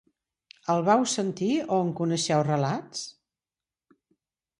El vau sentir o en coneixeu relats?